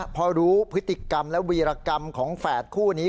พอรู้พฤติกรรมและวีรกรรมของแฝดคู่นี้